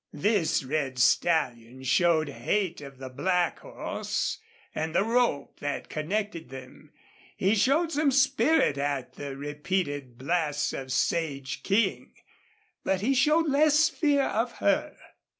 This red stallion showed hate of the black horse and the rope that connected them; he showed some spirit at the repeated blasts of Sage King. But he showed less fear of her.